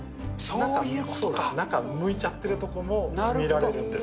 そうです、中むいちゃってるところも見られるんです。